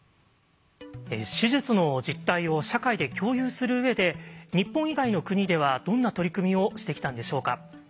手術の実態を社会で共有する上で日本以外の国ではどんな取り組みをしてきたんでしょうか。